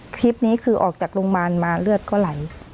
คลิปนี้คือออกจากโรงพยาบาลมาเลือดก็ไหล